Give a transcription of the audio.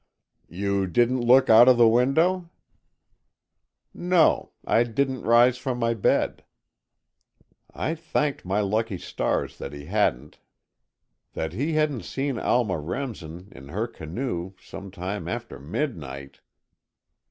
"You didn't look out of the window?" "No, I didn't rise from my bed." I thanked my lucky stars that he hadn't! That he hadn't seen Alma Remsen, in her canoe, some time after midnight!